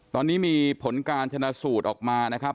ตอนนี้มีผลการชนะสูตรออกมานะครับ